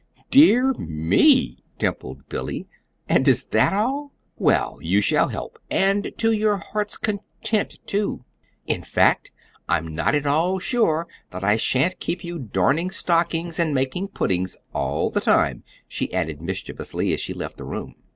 "Dear me!" dimpled Billy. "And is that all? Well, you shall help, and to your heart's content, too. In fact, I'm not at all sure that I sha'n't keep you darning stockings and making puddings all the time," she added mischievously, as she left the room.